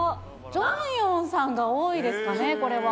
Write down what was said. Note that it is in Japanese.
ジョンヨンさんが多いですかね、これは。